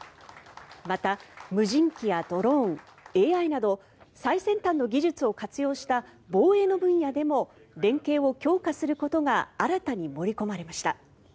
また無人機やドローン、ＡＩなど最先端の技術を活用した防衛の分野でも連携を強化することが新たに盛り込まれました。